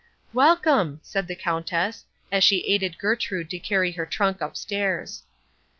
"Welcome," said the Countess, as she aided Gertrude to carry her trunk upstairs.